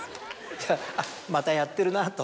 じゃあ「またやってるな」と。